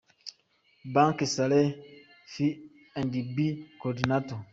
Banquet Sales F & B Coordinator.